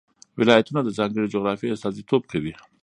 ولایتونه د ځانګړې جغرافیې استازیتوب کوي.